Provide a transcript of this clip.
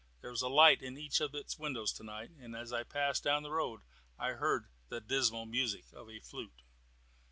There was a light in each of its windows tonight, and as I passed down the road I heard the dismal music of a flute.